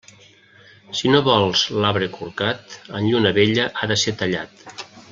Si no vols l'arbre corcat, en lluna vella ha de ser tallat.